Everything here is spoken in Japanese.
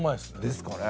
ですかね。